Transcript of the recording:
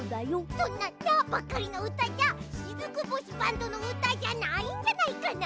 そんな「ナ」ばっかりのうたじゃしずく星バンドのうたじゃないんじゃないかな？